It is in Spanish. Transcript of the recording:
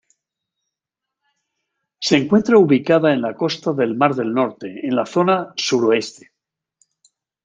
Se encuentra ubicada en la costa del mar del Norte, en la zona suroeste.